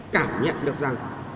cảm nhận được rằng